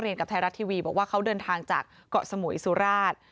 กับไทยรัฐทีวีบอกว่าเขาเดินทางจากเกาะสมุยสุราช